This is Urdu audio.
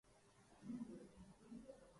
نہ کبھی دل میں ڈر یا خوف پیدا ہوا